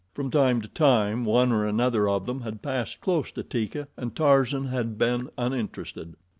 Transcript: From time to time one or another of them had passed close to Teeka, and Tarzan had been uninterested.